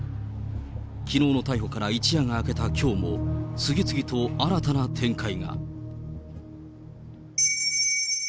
きのうの逮捕から一夜が明けたきょうも、次々と新たな展開が。